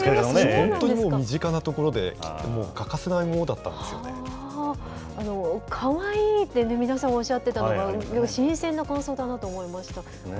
本当に身近なところで欠かせないかわいいって、皆さんおっしゃってたのが、新鮮な感想だなと思いました。